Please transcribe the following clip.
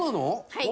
はい。